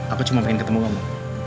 aku cuma pengen ketemu kamu